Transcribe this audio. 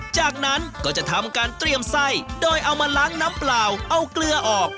จากนั้นก็จะทำการเตรียมไส้โดยเอามาล้างน้ำเปล่าเอาเกลือออก